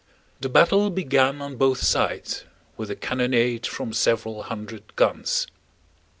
The battle began on both sides with a cannonade from several hundred guns.